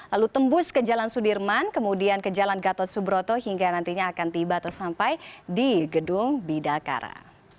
lalu tembus ke jalan sudirman kemudian ke jalan gatot subroto hingga nantinya akan tiba atau sampai di gedung bidakara